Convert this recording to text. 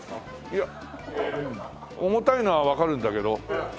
いや重たいのはわかるんだけど。